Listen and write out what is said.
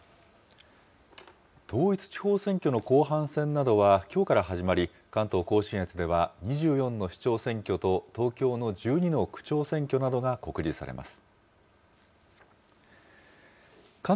統一地方選挙の後半戦などはきょうから始まり、関東甲信越では、２４の市長選挙と東京の１２の区長選挙などが告示されます。